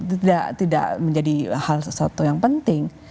tidak menjadi hal sesuatu yang penting